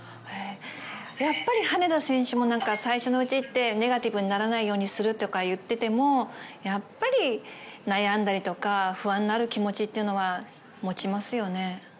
やっぱり羽根田選手も、なんか最初のうちって、ネガティブにならないようにするとか言ってても、やっぱり悩んだりとか不安になる気持ちっていうのは、持ちますよね。